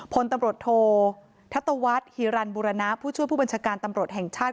พลตำรวจโทษทัตวัฒน์ฮีรันบุรณะผู้ช่วยผู้บัญชาการตำรวจแห่งชาติ